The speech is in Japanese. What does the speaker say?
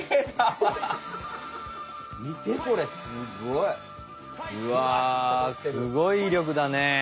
見てこれすごい。うわすごいいりょくだね。